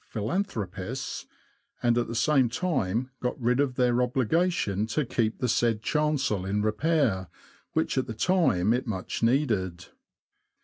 philanthropists, and at the same time got rid of their obligation to keep the said chancel in repair, which at the time it much needed.